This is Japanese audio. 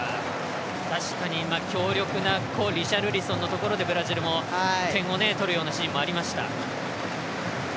確かに、強力なところでブラジルも点を取るようなシーンもありました。